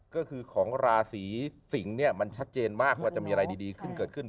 ก็คือของราศีสิงศ์เนี่ยมันชัดเจนมากว่าจะมีอะไรดีขึ้นเกิดขึ้น